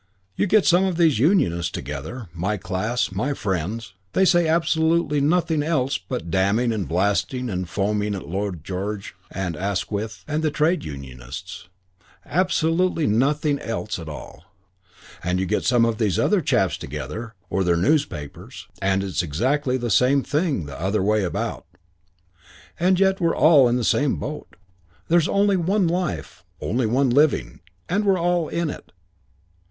You get some of these Unionists together, my class, my friends. They say absolutely nothing else but damning and blasting and foaming at Lloyd George and Asquith and the trade unionists. Absolutely nothing else at all. And you get some of these other chaps together, or their newspapers, and it's exactly the same thing the other way about. And yet we're all in the same boat. There's only one life only one living and we're all in it.